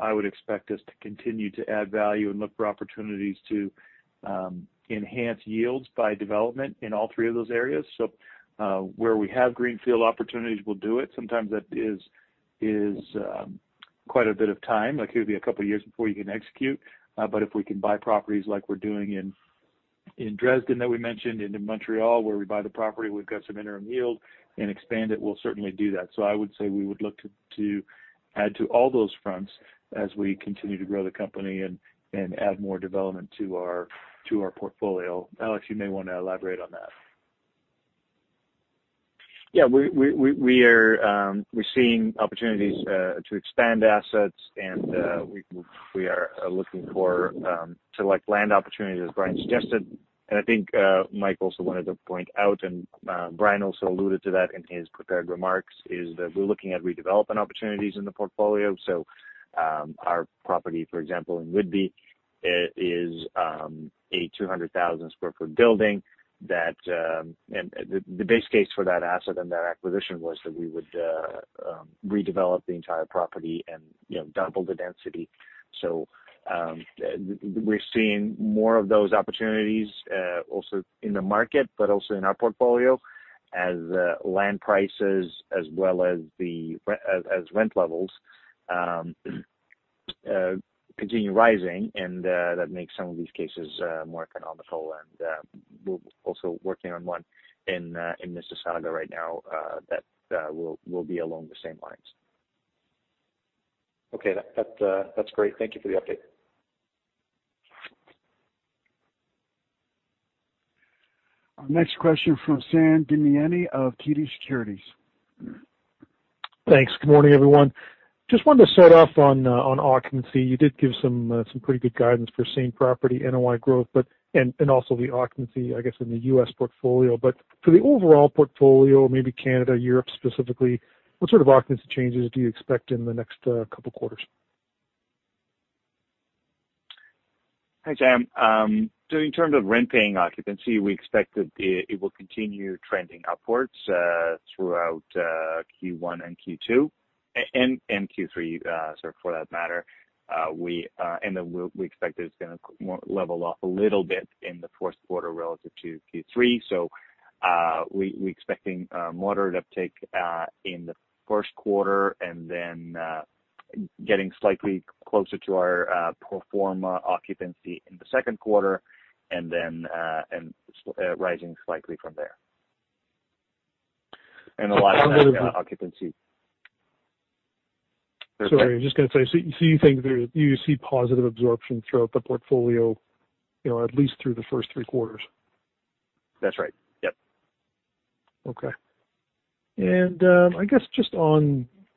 B: I would expect us to continue to add value and look for opportunities to enhance yields by development in all three of those areas. Where we have greenfield opportunities, we'll do it. Sometimes that is quite a bit of time. Like it would be a couple of years before you can execute. If we can buy properties like we're doing in Dresden that we mentioned, into Montreal, where we buy the property, we've got some interim yield and expand it, we'll certainly do that. I would say we would look to add to all those fronts as we continue to grow the company and add more development to our portfolio. Alex, you may want to elaborate on that.
C: Yeah, we're seeing opportunities to expand assets. We are looking to select land opportunities, as Brian suggested, and I think Mike also wanted to point out, and Brian also alluded to that in his prepared remarks, is that we're looking at redevelopment opportunities in the portfolio. Our property, for example, in Whitby, is a 200,000 sq ft building. The base case for that asset and that acquisition was that we would redevelop the entire property and double the density. We're seeing more of those opportunities also in the market, but also in our portfolio as land prices as well as rent levels continue rising, and that makes some of these cases more economical. We're also working on one in Mississauga right now that will be along the same lines.
J: Okay. That's great. Thank you for the update.
A: Our next question from Sam Damiani of TD Securities.
K: Thanks. Good morning, everyone. Just wanted to start off on occupancy. You did give some pretty good guidance for same-property NOI growth and also the occupancy, I guess, in the U.S. portfolio. For the overall portfolio, maybe Canada, Europe specifically, what sort of occupancy changes do you expect in the next couple of quarters?
C: Hi, Sam. In terms of rent-paying occupancy, we expect that it will continue trending upwards throughout Q1 and Q2 and Q3, sir, for that matter. We expect it's going to level off a little bit in the fourth quarter relative to Q3. We're expecting a moderate uptake in the first quarter and then getting slightly closer to our pro forma occupancy in the second quarter and then rising slightly from there.
K: Positive-
C: occupancy.
K: Sorry, I'm just going to say, you think that you see positive absorption throughout the portfolio at least through the first three quarters?
C: That's right. Yep.
K: Okay. I guess,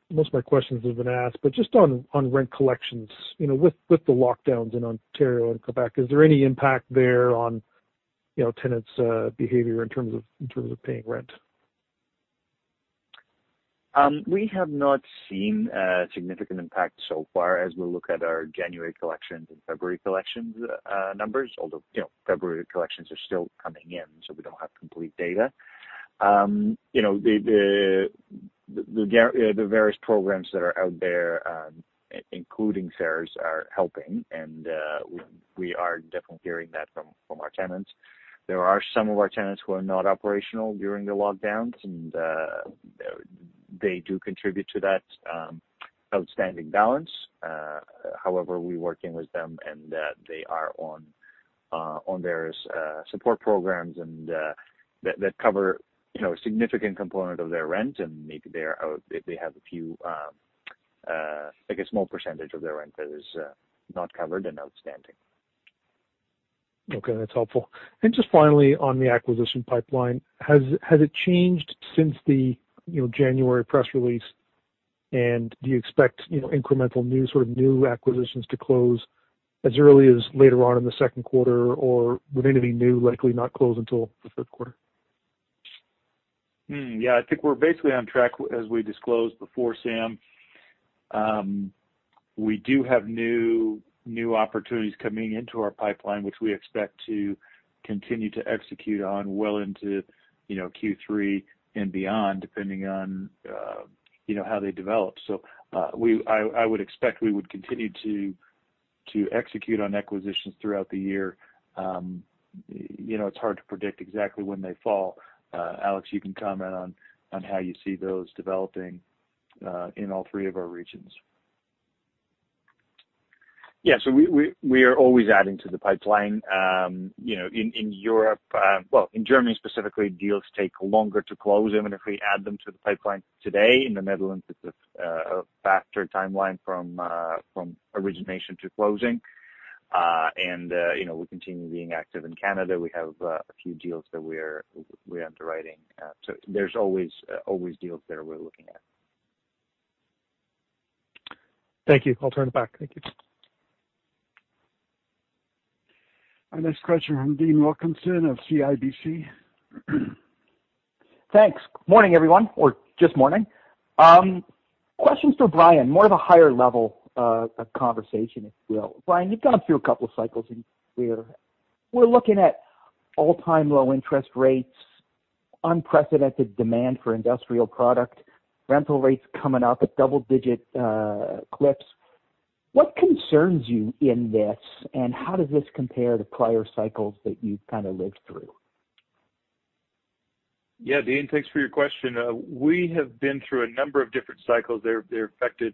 K: most of my questions have been asked, but just on rent collections, with the lockdowns in Ontario and Quebec, is there any impact there on tenants' behavior in terms of paying rent?
C: We have not seen a significant impact so far as we look at our January collections and February collections numbers. Although February collections are still coming in, so we don't have complete data. The various programs that are out there, including CERS, are helping, and we are definitely hearing that from our tenants. There are some of our tenants who are not operational during the lockdowns, and they do contribute to that outstanding balance. However, we're working with them, and they are on various support programs that cover a significant component of their rent, and maybe they have a few, like a small percentage of their rent that is not covered and outstanding.
K: Okay, that's helpful. Just finally on the acquisition pipeline, has it changed since the January press release? Do you expect incremental new sort of new acquisitions to close as early as later on in the second quarter or would anything new likely not close until the third quarter?
B: I think we're basically on track as we disclosed before, Sam. We do have new opportunities coming into our pipeline, which we expect to continue to execute on well into Q3 and beyond, depending on how they develop. I would expect we would continue to execute on acquisitions throughout the year. It's hard to predict exactly when they fall. Alex, you can comment on how you see those developing in all three of our regions.
C: We are always adding to the pipeline. In Europe, well, in Germany specifically, deals take longer to close, even if we add them to the pipeline today. In the Netherlands, it's a faster timeline from origination to closing. We continue being active in Canada. We have a few deals that we are underwriting. There's always deals there we're looking at.
K: Thank you. I'll turn it back. Thank you.
A: Our next question from Dean Wilkinson of CIBC.
L: Thanks. Morning, everyone, or just morning. Questions for Brian, more of a higher level conversation, if you will. Brian, you've gone through a couple of cycles, and we're looking at all-time low interest rates, unprecedented demand for industrial product, rental rates coming up at double-digit clips. What concerns you in this, and how does this compare to prior cycles that you've kind of lived through?
B: Yeah, Dean, thanks for your question. We have been through a number of different cycles. They've affected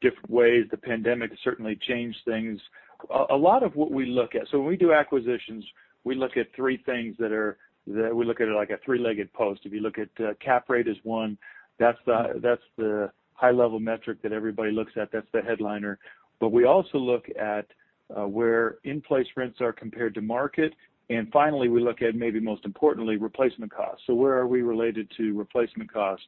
B: different ways. The pandemic has certainly changed things. When we do acquisitions, we look at three things that we look at it like a three-legged post. If you look at cap rate is one, that's the high level metric that everybody looks at. That's the headliner. We also look at where in-place rents are compared to market. Finally, we look at, maybe most importantly, replacement cost. Where are we related to replacement cost?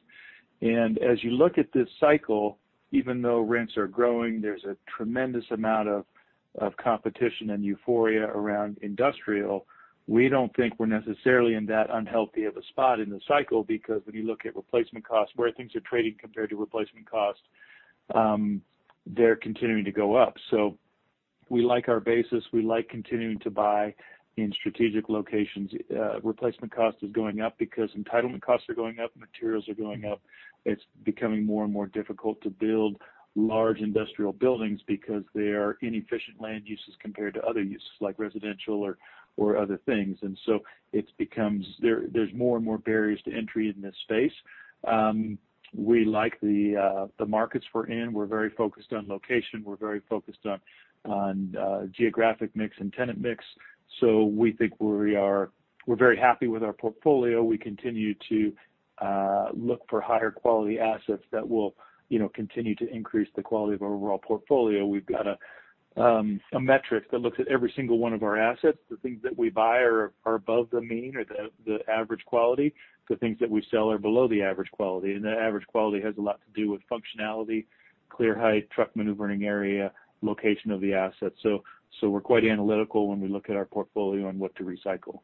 B: As you look at this cycle, even though rents are growing, there's a tremendous amount of competition and euphoria around industrial. We don't think we're necessarily in that unhealthy of a spot in the cycle, because when you look at replacement cost, where things are trading compared to replacement cost, they're continuing to go up. We like our basis. We like continuing to buy in strategic locations. Replacement cost is going up because entitlement costs are going up, materials are going up. It's becoming more and more difficult to build large industrial buildings because they are inefficient land uses compared to other uses like residential or other things. There's more and more barriers to entry in this space. We like the markets we're in. We're very focused on location. We're very focused on geographic mix and tenant mix. We think we're very happy with our portfolio. We continue to look for higher quality assets that will continue to increase the quality of our overall portfolio. We've got a metric that looks at every single one of our assets. The things that we buy are above the mean or the average quality. The things that we sell are below the average quality. The average quality has a lot to do with functionality, clear height, truck maneuvering area, location of the asset. We're quite analytical when we look at our portfolio and what to recycle.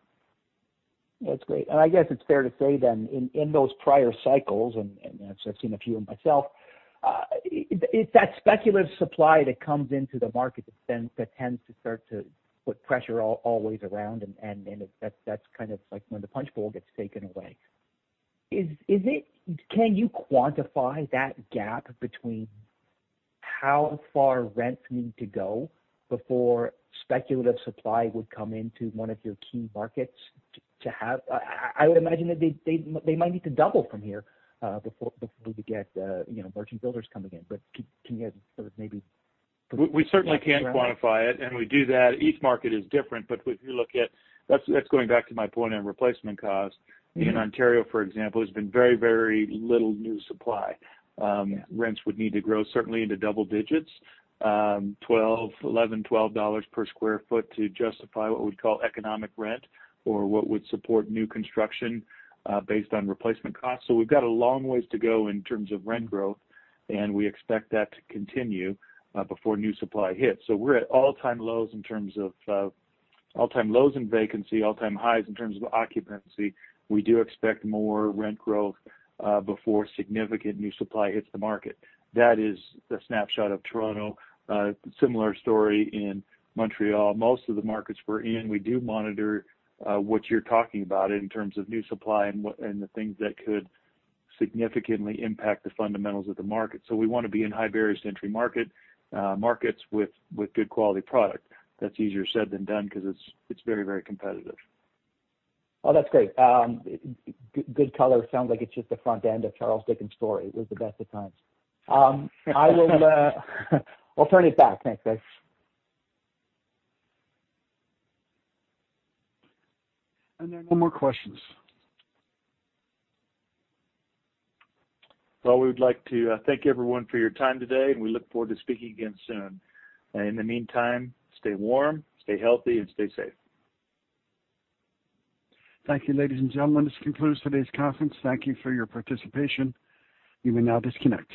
L: That's great. I guess it's fair to say then in those prior cycles, I've seen a few of them myself, it's that speculative supply that comes into the market that tends to start to put pressure always around. That's kind of like when the punch bowl gets taken away. Can you quantify that gap between how far rents need to go before speculative supply would come into one of your key markets? I would imagine that they might need to double from here before we get merchant builders coming in.
B: We certainly can quantify it, and we do that. Each market is different. That's going back to my point on replacement cost. In Ontario, for example, there's been very, very little new supply. Rents would need to grow certainly into double digits, 11, 12 dollars per square foot to justify what we'd call economic rent or what would support new construction based on replacement costs. We've got a long ways to go in terms of rent growth, and we expect that to continue before new supply hits. We're at all-time lows in terms of vacancy, all-time highs in terms of occupancy. We do expect more rent growth before significant new supply hits the market. That is the snapshot of Toronto. Similar story in Montreal. Most of the markets we're in, we do monitor what you're talking about in terms of new supply and the things that could significantly impact the fundamentals of the market. We want to be in high barrier to entry markets with good quality product. That's easier said than done because it's very competitive.
L: Oh, that's great. Good color. Sounds like it's just the front end of Charles Dickens' story. It was the best of times. I'll turn it back. Thanks, guys.
A: There are no more questions.
B: We would like to thank everyone for your time today, and we look forward to speaking again soon. In the meantime, stay warm, stay healthy, and stay safe.
A: Thank you, ladies and gentlemen. This concludes today's conference. Thank you for your participation. You may now disconnect.